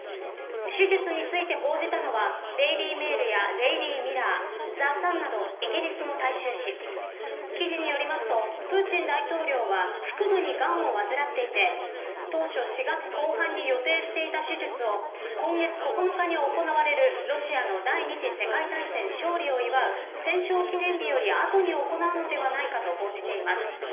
手術について報じたのはデイリー・メールやデイリー・ミラー、ザ・サンなどイギリスの大衆紙によりますとプーチン大統領は腹部にがんを患っていて当初、４月後半に予定していた手術を今月９日に行われるロシアの第二次世界大戦勝利を祝う戦勝記念日より後に行うのではないかと報じています。